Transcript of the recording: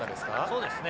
そうですね